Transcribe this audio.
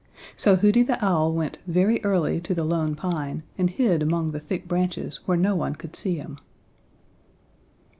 So Hooty the Owl went very early to the Lone Pine and hid among the thick branches where no one could see him.